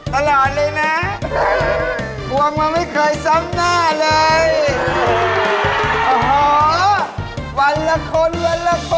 อ๋อทะหล่อเลยนะทวงมาไม่เคยซ้ำหน้าเลยอ๋อหวันละคนเลยนะ